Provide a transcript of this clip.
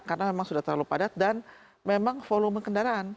karena memang sudah terlalu padat dan memang volume kendaraan